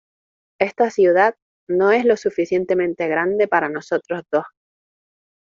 Esta ciudad no es lo suficientemente grande para nosotros dos.